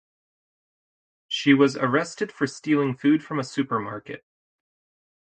She was arrested for stealing food from a supermarket.